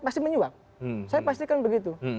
pasti menyuap saya pastikan begitu